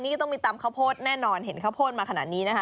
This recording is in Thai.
นี่ก็ต้องมีตำข้าวโพดแน่นอนเห็นข้าวโพดมาขนาดนี้นะคะ